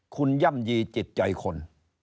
คุณย่ำยีจิตใจคน